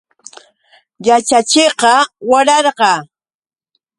Yaćhachiqqa wararqa.